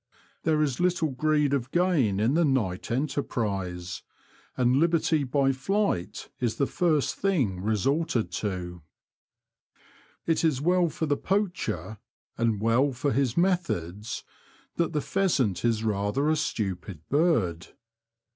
There is little greed of gain in the night The Confessions of a T^oacher, jj enterprise, and liberty by flight is the first thing resorted to. It is well for the poacher, and well for his methods, that the pheasant is rather a stupid bird.